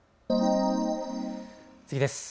次です。